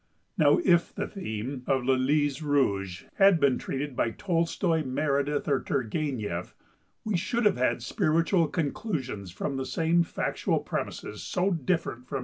Now, if the theme of "Le Lys Rouge" had been treated by Tolstoy, Meredith, or Turgenev, we should have had spiritual conclusions from the same factual premises so different from M.